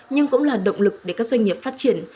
nhưng cũng là động lực để các doanh nghiệp phát triển